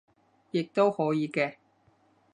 亦都可以嘅